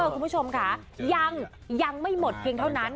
คุณผู้ชมยังไม่หมดเท่านั้น